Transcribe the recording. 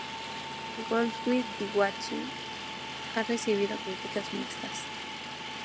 Gods Will Be Watching ha recibido críticas mixtas.